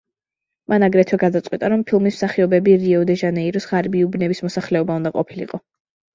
მან აგრეთვე გადაწყვიტა, რომ ფილმის მსახიობები რიო დე ჟანეიროს ღარიბი უბნების მოსახლეობა უნდა ყოფილიყო.